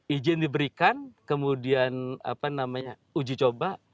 izin diberikan kemudian uji coba